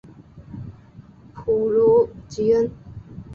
普卢吉恩。